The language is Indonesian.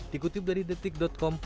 dikutip dari detik com